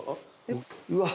うわ。